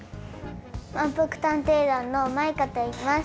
まんぷく探偵団のマイカといいます。